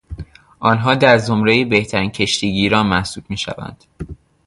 آنها در زمرهی بهترین کشتیگیران محسوب میشوند.